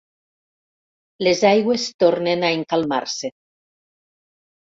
Les aigües tornen a encalmar-se.